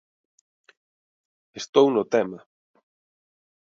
Estou no tema.